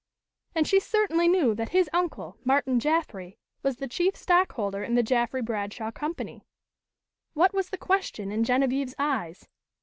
And she certainly knew that his uncle, Martin Jaffry, was the chief stockholder in the Jaffry Bradshaw Company. What was the question in Genevieve's eyes?